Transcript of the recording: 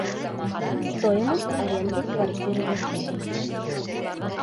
Стоимость аренды квартиры в Уфе